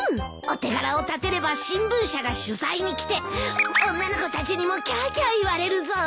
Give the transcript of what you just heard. お手柄を立てれば新聞社が取材に来て女の子たちにもキャーキャー言われるぞ！